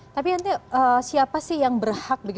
tapi nanti siapa sih yang berhak